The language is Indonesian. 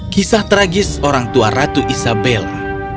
kisah tragis orang tua ratu isabella